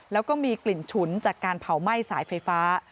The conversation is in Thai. แล้วก็มีกลิ่นฉุนจากการเผาไหม้สายไฟฟ้า